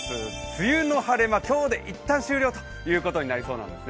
梅雨の晴れ間、今日で一旦終了ということになりそうです。